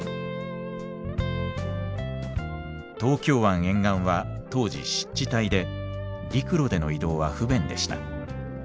東京湾沿岸は当時湿地帯で陸路での移動は不便でした。